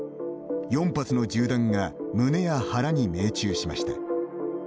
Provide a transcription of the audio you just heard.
４発の銃弾が胸や腹に命中しました。